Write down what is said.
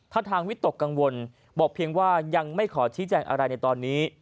ถ้าทางวิตกกังวลบอกเพียงว่ายังไม่ขอชี้แจงอะไรในตอนนี้